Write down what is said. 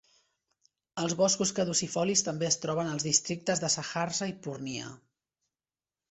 Els boscos caducifolis també es troben als districtes de Saharsa i Purnia.